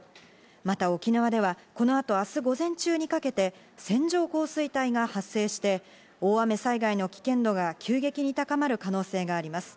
また沖縄では、このあと明日午前中にかけて線状降水帯が発生して大雨災害の危険度が急激に高まる可能性があります。